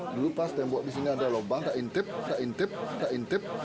dulu pas tembok di sini ada lubang gak intip gak intip gak intip